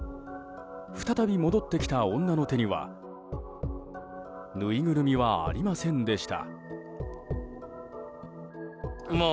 再び戻ってきた女の手にはぬいぐるみはありませんでした。